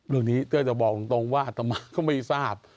เรื่องนี้เต้ยจะบอกตรงว่าอัตมาก็ไม่ทราบ